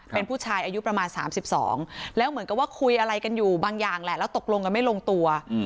เป็นผู้ชายอายุประมาณ๓๒แล้วเหมือนกับว่าคุยอะไรกันอยู่บางอย่างแหละแล้วตกลงกันไม่ลงตัว